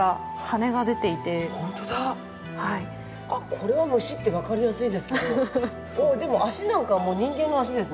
これは虫ってわかりやすいですけどでも足なんかはもう人間の足ですね。